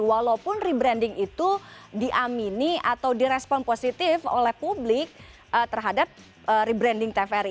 walaupun rebranding itu diamini atau direspon positif oleh publik terhadap rebranding tvri